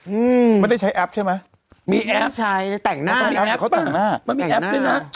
อืมไม่ได้ใช้แอปใช่ไหมไม่ใช่มีแอปแต่งหน้าแอป